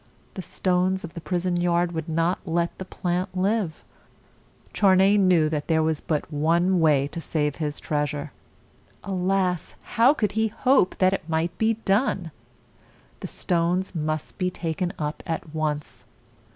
The stones of the prison yard would not let the plant live. Charney knew that there was but one way to save his treasure. Alas! how could he hope that it might be done? The stones must be taken up at once.